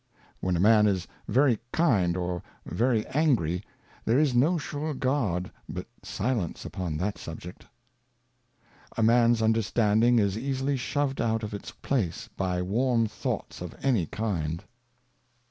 When a Man is very kind or very angry, there is no sure Guard but Silence upon that Subject. A Man's Understanding is easily shoved out of its Place by warm Thoughts of any kind.